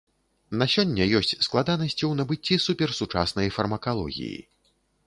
На сёння ёсць складанасці ў набыцці суперсучаснай фармакалогіі.